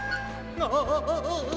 ああ！